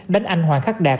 đánh anh hoàng khắc đạt